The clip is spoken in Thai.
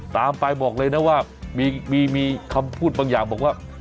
ตามไปบอกเลยนะว่ามีคำพูดบางอย่างบอกว่า